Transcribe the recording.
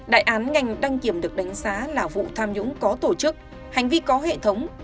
đại án ngành đăng kiểm được đánh giá là vụ tham nhũng có tổ chức hành vi có hệ thống